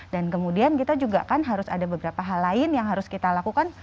dan kemudian kita juga kan harus ada beberapa hal lain yang harus kita lakukan